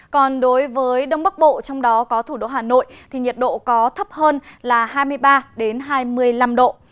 còn đối với đông bắc bộ trong đó có thủ đô hà nội thì nhiệt độ có thấp hơn là hai mươi ba hai mươi năm độ